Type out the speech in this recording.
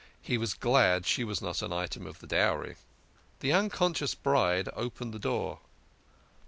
He was glad she was not an item of the dowry. ' THE UNCONSCIOUS BRIDE OPENED THE DOOR.'